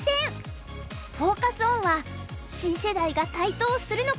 フォーカス・オンは新世代が台頭するのか！？